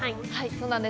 そうなんです。